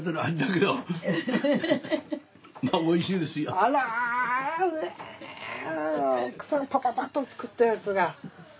あら奥さんパパパッと作ったやつが。